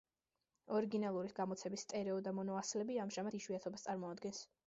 ორიგინალური გამოცემის სტერეო და მონო ასლები ამჟამად იშვიათობას წარმოადგენს.